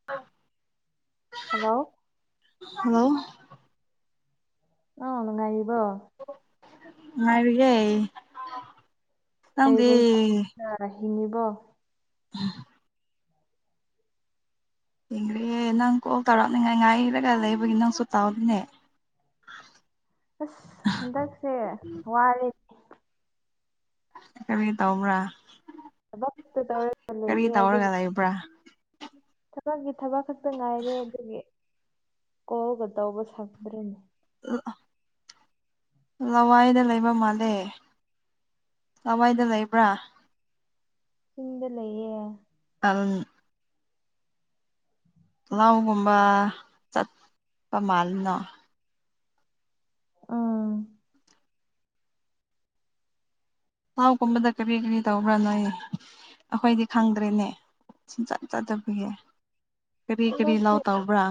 [unintelligible] Hello hello ꯑꯧ ꯅꯨꯡꯉꯥꯏꯔꯤꯕꯣ ꯅꯨꯡꯉꯥꯏꯔꯤꯌꯦ ꯅꯪꯗꯤ [unintelligible] ꯍꯤꯡꯂꯤꯕꯣ [unintelligible] ꯍꯤꯡꯂꯤꯌꯦ ꯅꯪ ꯀꯣꯜ ꯇꯧꯔꯛꯅꯤꯉꯥꯏ ꯉꯥꯏꯔꯒ ꯂꯩꯕꯒꯤ ꯅꯪꯁꯨ ꯇꯥꯎꯗꯤꯅꯦ ꯑꯁ ꯍꯟꯗꯛꯁꯦ ꯋꯥꯔꯦ ꯀꯔꯤ ꯇꯧꯕ꯭ꯔꯥ ꯊꯕꯛ ꯈꯛꯇ ꯇꯧꯔꯒ ꯀꯔꯤ ꯂꯩꯔꯦ ꯇꯧꯔꯒ ꯑꯗꯨꯒꯤ ꯂꯩꯕ꯭ꯔꯥ ꯊꯕꯛꯀꯤ ꯊꯕꯛ ꯈꯛꯇ ꯉꯥꯏꯔꯦ ꯑꯗꯨꯒꯤ ꯀꯣꯜꯒ ꯇꯧꯕ ꯁꯪꯗ꯭ꯔꯅꯦ [unintelligible] ꯂꯋꯥꯏꯗ ꯂꯩꯕ ꯃꯥꯜꯂꯦ ꯂꯋꯥꯏꯗ ꯂꯩꯕ꯭ꯔꯥ ꯆꯤꯡꯗ ꯂꯩꯌꯦ ꯑꯪ ꯂꯧꯒꯨꯝꯕ ꯆꯠ ꯄ ꯃꯥꯜꯂꯤꯅꯣ ꯎꯝ ꯄꯥꯎꯒꯨꯝꯕꯗ ꯀꯔꯤ ꯀꯔꯤ ꯇꯧꯕ꯭ꯔꯥ ꯅꯣꯏ ꯑꯩꯈꯣꯏꯗꯤ ꯈꯪꯗ꯭ꯔꯦꯅꯦ ꯁꯨꯝꯆꯠ ꯆꯠꯇꯕꯄꯨꯎꯦ ꯀꯔꯤ ꯀꯔꯤ ꯍꯟꯗꯛꯇꯤ ꯂꯧ ꯇꯧꯕ꯭ꯔꯥ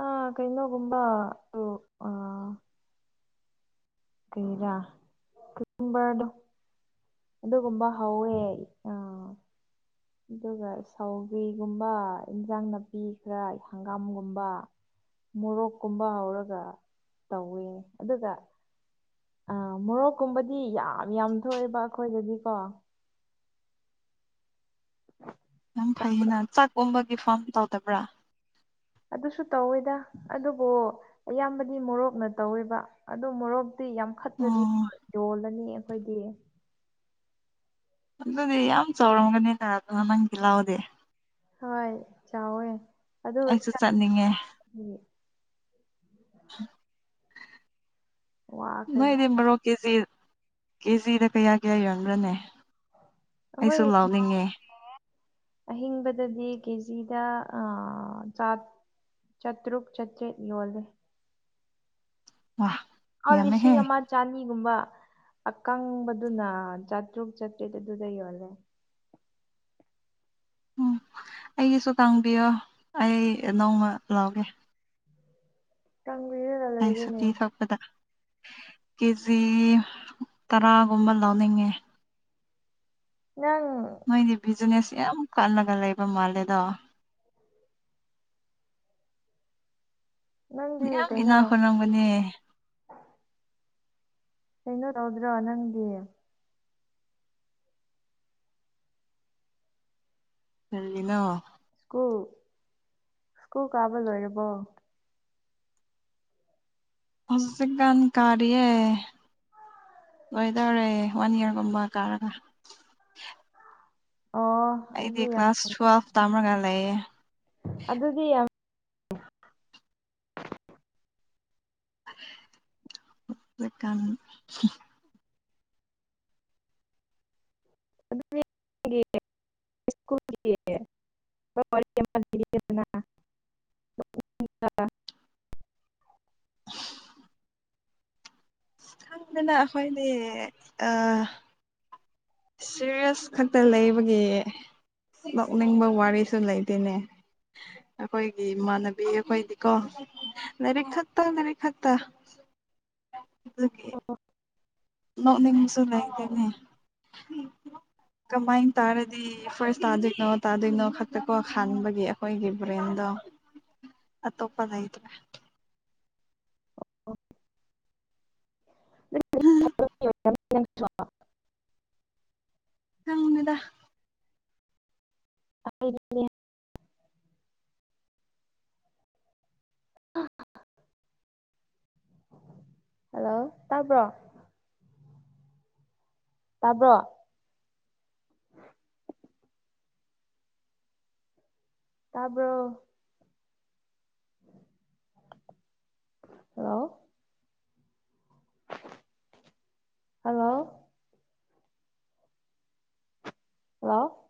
ꯑ ꯀꯩꯅꯣꯒꯨꯝꯕ ꯎꯝ ꯑꯥ ꯀꯔꯤꯔ ꯈꯪꯕ꯭ꯔꯥꯗꯣ ꯑꯗꯨꯒꯨꯝꯕ ꯍꯧꯋꯦ ꯑꯥ ꯑꯗꯨꯒ ꯁꯥꯎꯕꯤꯒꯨꯝꯕ ꯏꯟꯖꯥꯡ ꯅꯥꯄꯤꯈꯔ ꯍꯪꯒꯥꯝꯒꯨꯝꯕ ꯃꯣꯔꯣꯛꯀꯨꯝꯕ ꯍꯧꯔꯒ ꯇꯧꯋꯦ ꯑꯗꯨꯒ ꯑꯥ ꯃꯣꯔꯣꯛꯀꯨꯝꯕꯗꯤ ꯌꯥꯝ ꯌꯥꯝ ꯊꯣꯛꯑꯦꯕ ꯑꯩꯈꯣꯏꯗꯗꯤꯀꯣ ꯎ [unintelligible] [inaudible] ꯌꯥꯝ ꯐꯩꯌꯦꯅ ꯆꯥꯛꯀꯨꯝꯕꯒꯤ ꯐꯥꯝ ꯇꯧꯗꯕ꯭ꯔꯥ ꯑꯗꯨꯁꯨ ꯇꯧꯋꯤꯗ ꯑꯗꯨꯕꯨ ꯑꯌꯥꯝꯕꯗꯤ ꯃꯣꯔꯣꯛꯅ ꯇꯧꯋꯦꯕ ꯑꯗꯨ ꯃꯣꯔꯣꯛ ꯇꯤ ꯌꯥꯝꯈꯠꯂꯗꯤ ꯑꯣ ꯌꯣꯜꯂꯅꯤ ꯑꯩꯈꯣꯏꯗꯤ ꯑꯗꯨꯗꯤ ꯌꯥꯝ ꯆꯥꯎꯔꯝꯒꯅꯤꯅ ꯑꯗꯨꯅ ꯅꯪꯗꯤ ꯂꯥꯛꯑꯣꯗꯦ ꯍꯣꯏ ꯆꯥꯎꯋꯦ ꯑꯗꯨꯒ ꯑꯩꯁꯨ ꯆꯠꯄꯁꯨ ꯆꯠꯅꯤꯡ ꯉꯦ ꯅꯨꯡꯉꯥꯏ ꯅꯣꯏꯗꯤ ꯋꯥꯈ꯭ꯔꯖꯥꯠ ꯃꯣꯔꯣ ꯀꯦꯖꯤ ꯀꯦꯖꯤꯗ ꯀꯌꯥ ꯀꯌꯥ ꯌꯣꯟꯕ꯭ꯔꯅꯦ ꯑꯩꯁꯨ ꯑꯍꯣꯏ [unintelligible] ꯂꯥꯎꯅꯤꯡꯉꯦ ꯑꯍꯤꯡꯕꯗꯗꯤ ꯀꯦꯖꯤꯗ ꯑꯥ ꯆꯥꯠ ꯆꯥꯇ꯭ꯔꯨꯛ ꯆꯥꯇ꯭ꯔꯦꯠ ꯌꯣꯜꯂꯦ ꯋꯥ ꯑꯩꯗꯤ ꯌꯥꯝꯃꯦꯍꯦ ꯁꯤꯒ ꯃꯠ ꯆꯅꯤꯒꯨꯝꯕ ꯑꯀꯪꯕꯗꯨꯅ ꯆꯥꯇ꯭ꯔꯨꯛ ꯆꯥꯇ꯭ꯔꯦꯠ ꯑꯗꯨꯗ ꯌꯣꯜꯂꯦ ꯎꯝ ꯑꯩꯒꯤꯁꯨ ꯀꯪꯕꯤꯌꯣ ꯑꯩ ꯅꯧꯃ ꯂꯥꯛꯑꯒꯦ [unintelligible] ꯑꯩ ꯁꯨꯇꯤ ꯊꯛ ꯗ ꯀꯦꯖꯤ ꯇꯔꯥꯒꯨꯝꯕ ꯂꯧꯅꯤꯡꯉꯦ ꯅꯪ ꯅꯣꯏꯗꯤ ꯕꯤꯖꯤꯅꯦꯁ ꯌꯥꯝ ꯀꯜꯂꯒ ꯂꯩꯕ ꯃꯥꯜꯂꯦꯗꯣ ꯅꯪꯗꯤ ꯃꯌꯥꯝ ꯏꯅꯥ ꯀꯩꯅꯣ ꯈꯨꯜ ꯂꯝ ꯒꯅꯦ ꯀꯩꯅꯦ ꯇꯧꯗꯔꯣ ꯅꯪꯗꯤ ꯇꯜꯂꯤꯅꯣ ꯁ꯭ꯀꯨ ꯁ꯭ꯀꯨ ꯀꯥꯕ ꯂꯣꯏꯔꯕꯣ ꯍꯧꯖꯤꯛ ꯀꯥꯟ ꯀꯥꯔꯤꯌꯦ ꯂꯣꯏꯗꯧꯔꯦ ꯋꯥꯟ ꯏꯔꯒꯨꯝꯕ ꯀꯥꯔꯒ ꯑꯣ ꯑꯩꯗꯤ ꯑꯗꯨꯗꯤ ꯌꯥꯝ ꯀ꯭ꯂꯥꯁ ꯇꯨꯌꯦꯞ ꯇꯥꯝꯔꯒ ꯂꯩꯌꯦ ꯑꯗꯨꯗꯤ ꯌꯥꯝ [unintelligible] [unintelligible] [inaudible] [unintelligible] [unintelligible] [inaudible] ꯑꯪꯗꯅ ꯑꯩꯈꯣꯏꯅꯦ ꯑꯥ ꯁꯦꯔꯤꯌꯦꯁ ꯈꯛꯇ ꯂꯩꯕꯒꯤ ꯅꯣꯛꯅꯤꯡꯕ ꯋꯥꯔꯤꯁꯨ ꯂꯩꯇꯦꯅꯦ ꯑꯈꯣꯏꯒꯤ ꯏꯃꯥꯟꯅꯕꯤ ꯑꯩꯈꯣꯏꯗꯤꯀꯣ ꯂꯥꯏꯔꯤꯛ ꯈꯠꯇꯪ ꯂꯥꯏꯅꯔꯤꯛ ꯈꯠꯇ ꯅꯣꯅꯤꯡꯉꯁꯨ ꯂꯩꯇꯦꯅꯦ ꯀꯃꯥꯏ ꯇꯥꯔꯗꯤ ꯐꯥꯔꯁ ꯇꯥꯗꯣꯏꯅꯣ ꯇꯥꯗꯣꯏꯅꯣ ꯈꯛꯇꯀꯣ ꯈꯥꯟꯕꯒꯤ ꯑꯩꯈꯣꯏꯒꯤ ꯕ꯭ꯔꯦꯟꯗꯣ ꯑ ꯇꯣꯄꯂꯩꯏꯇ꯭ꯔꯦ [unintelligible] [unintelligible] [unintelligible] ꯍꯜꯂꯣ ꯇꯥꯕ꯭ꯔꯣ ꯇꯥꯕ꯭ꯔꯣ ꯇꯥꯕ꯭ꯔꯣ? ꯍꯜꯂꯣ! ꯍꯜꯂꯣ! ꯍꯜꯂꯣ!